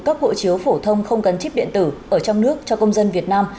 cấp hộ chiếu phổ thông không gắn chip điện tử ở trong nước cho công dân việt nam